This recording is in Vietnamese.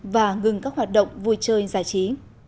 và ngừng các hoạt động vui chơi giải trí